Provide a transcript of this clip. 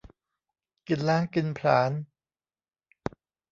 กินล้างกินผลาญ